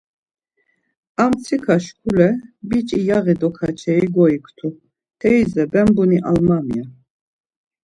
A mtsika şkule biç̌i yaği dokaçeri goiktu; Teize ben buni almam ya.